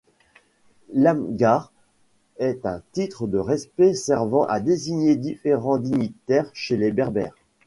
L'Amghar est un titre de respect servant à désigner différents dignitaires chez les Berbères.